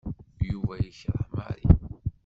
Yuba yekreh Mary.